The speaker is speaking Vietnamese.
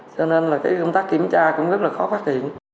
cho nên là công tác kiểm tra cũng rất là khó phát hiện